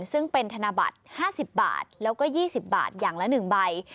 ซึ่งเป็นธนบัตร๕๐บาทแล้วก็๒๐บาทอย่างละ๑ใบ